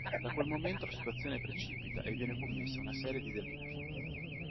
Da quel momento la situazione precipita e viene commessa una serie di delitti.